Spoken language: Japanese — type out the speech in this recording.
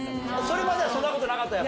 それまではそんなことなかった？